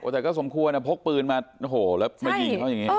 แต่สมควรพกปืนมาหอยยิงเขาอย่างนี้